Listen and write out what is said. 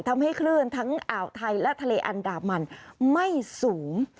ทำให้คลื่นทั้งอ่าวไทยและทะเลอันดามันไม่สูง